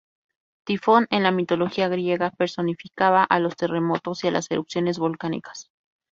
Tifón, en la mitología griega, personificaba a los terremotos y a las erupciones volcánicas.